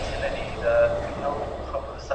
ايا ټولنپوهنه اوږده سابقه لري؟